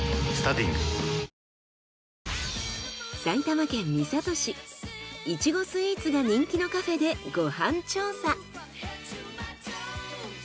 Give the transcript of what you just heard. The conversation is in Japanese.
埼玉県三郷市イチゴスイーツが人気のカフェでご飯調査。